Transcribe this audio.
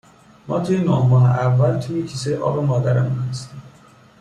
ما توی نه ماه اول توی کیسهی آب مادرمون هستیم